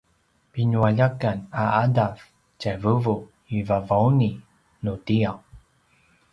pinualjakan a ’adav tjai vuvu i Vavauni nutiaw